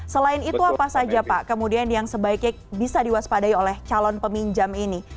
selain itu apa saja pak kemudian yang sebaiknya bisa diwaspadai oleh calon peminjam ini